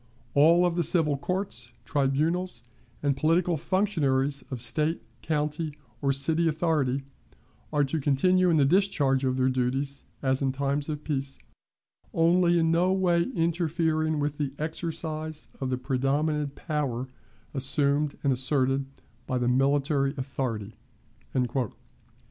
All the civil courts, tribunals, and political functionaries of State, county, or city authority, are to continue in the discharge of their duties as in times of peace, only in no way interfering with the exercise of the predominant power assumed and asserted by the military authority."